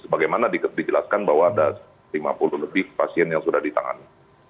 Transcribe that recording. sebagaimana dijelaskan bahwa ada lima puluh lebih pasien yang sudah ditangani